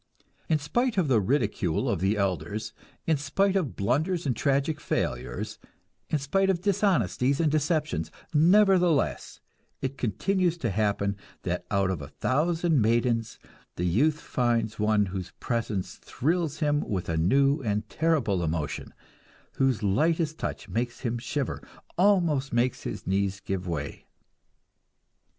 In spite of the ridicule of the elders, in spite of blunders and tragic failures, in spite of dishonesties and deceptions nevertheless, it continues to happen that out of a thousand maidens the youth finds one whose presence thrills him with a new and terrible emotion, whose lightest touch makes him shiver, almost makes his knees give way.